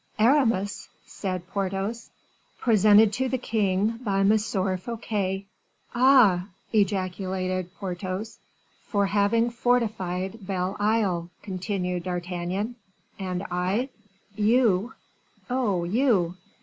"Aramis!" said Porthos. "Presented to the king by M. Fouquet." "Ah!" ejaculated Porthos. "For having fortified Belle Isle," continued D'Artagnan. "And I?" "You oh, you!